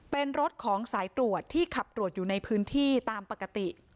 เป็นรถของสายตรวจที่ขับตรวจอยู่ในพื้นที่ตามปกติ